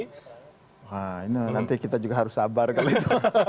nah ini nanti kita juga harus sabar kalau itu